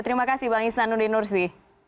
terima kasih bang isan nudinursi